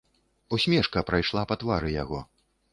Усмешка прайшла па твары яго.